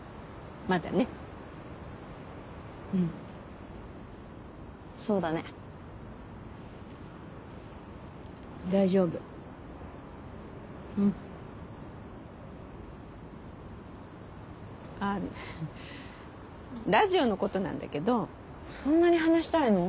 まだねうんそうだね大丈夫うんあっラジオのことなんだけどそんなに話したいの？